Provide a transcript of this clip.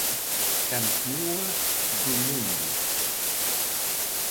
Campioa do mundo.